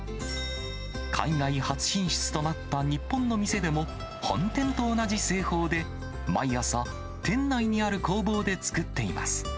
海外初進出となった日本の店でも、本店と同じ製法で毎朝、店内にある工房で作っています。